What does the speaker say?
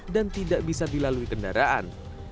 dan tidak bisa dilalui kendaraan